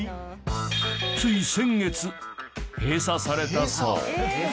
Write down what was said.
つい先月閉鎖されたそう。